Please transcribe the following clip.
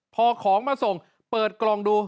พอของมาส่งเปิดกล่องดู